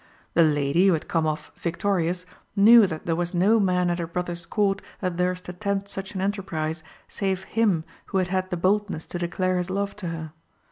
The lady, who had come off victorious, knew that there was no man at her brother's Court that durst attempt such an enterprise save him who had had the boldness to declare his love to her.